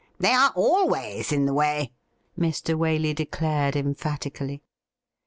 'They are always in the way,' Mr. Waley declared emphatically.